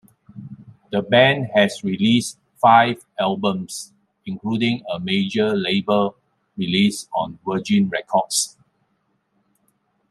The band has released five albums including a major label release on Virgin Records.